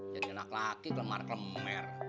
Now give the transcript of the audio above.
jadi enak laki kelemar kelemar